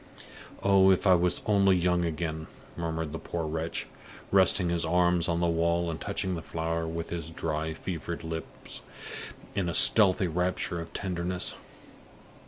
"Oh, if I was only young again!" murmured the poor wretch, resting his arms on the wall and touching the flower with his dry, fevered lips in a stealthy rapture of tenderness.